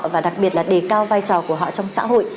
và đặc biệt là đề cao vai trò của họ trong xã hội